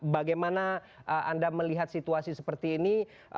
bagaimana anda melihat situasi seperti ini